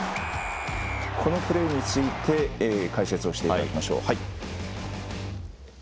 このプレーについて解説をしていただきましょう。